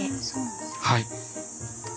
はい。